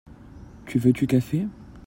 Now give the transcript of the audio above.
Tu veux tu café ?